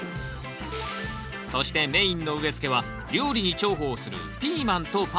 そしてメインの植えつけは料理に重宝するピーマンとパプリカ。